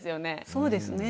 そうですね。